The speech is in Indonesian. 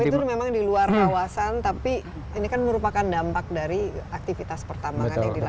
itu memang di luar kawasan tapi ini kan merupakan dampak dari aktivitas pertambangan yang dilakukan